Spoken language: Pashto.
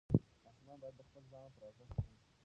ماشوم باید د خپل ځان پر ارزښت پوه شي.